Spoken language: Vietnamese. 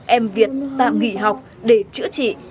em việt tạm nghỉ học để chữa trị